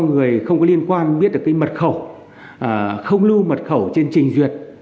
năm người không có liên quan biết được cái mật khẩu không lưu mật khẩu trên trình duyệt